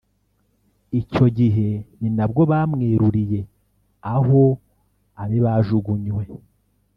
Icyo gihe ni na bwo bamweruriye aho abe bajugunywe